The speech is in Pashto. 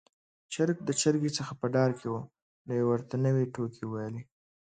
چرګ د چرګې څخه په ډار کې و، نو يې ورته نوې ټوکې وويلې.